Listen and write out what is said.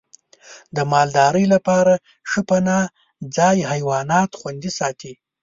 د مالدارۍ لپاره ښه پناه ځای حیوانات خوندي ساتي.